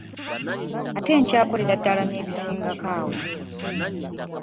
Ate nkyakolera ddala n'ebisingako awo.